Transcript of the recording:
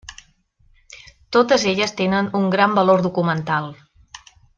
Totes elles tenen un gran valor documental.